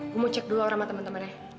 gua mau cek dulu sama temen temennya